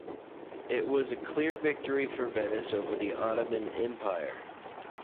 It was a clear victory for Venice over the Ottoman Empire.